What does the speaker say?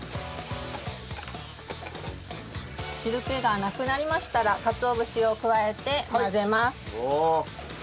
汁気がなくなりましたらかつお節を加えて混ぜます。